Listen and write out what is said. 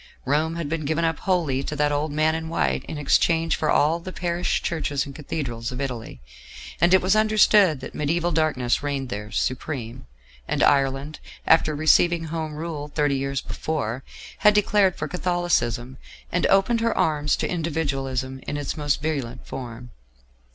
Rome had been given up wholly to that old man in white in exchange for all the parish churches and cathedrals of Italy, and it was understood that mediaeval darkness reigned there supreme; and Ireland, after receiving Home Rule thirty years before, had declared for Catholicism, and opened her arms to Individualism in its most virulent form.